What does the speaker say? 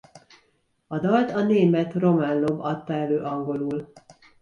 A dalt a német Roman Lob adta elő angolul.